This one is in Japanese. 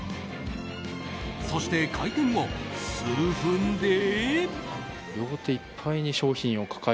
そして開店後、数分で。